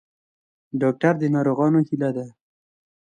ډاکټر د ناروغانو هیله ده